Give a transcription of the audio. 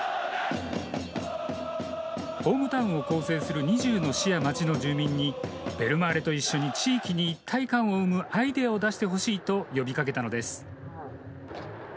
ホームタウンを構成する２０の市や町の住民にベルマーレと一緒に地域に一体感を生むアイデアを出してほしいと呼びかけたのです。